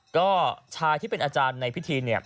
ก็ชายที่เป็นอาจารย์ในพิธีเนี่ย